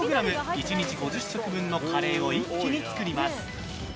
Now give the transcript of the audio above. １日５０食分のカレーを一気に作ります。